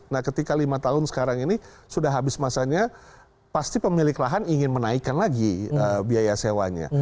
nah ketika lima tahun sekarang ini sudah habis masanya pasti pemilik lahan ingin menaikkan lagi biaya sewanya